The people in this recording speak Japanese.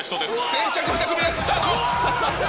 先着２組ですスタート！